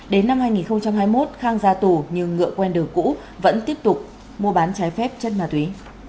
đến năm hai nghìn hai mươi một khang ra tù nhưng ngựa quen đường cũ vẫn tiếp tục mua bán trái phép chất ma túy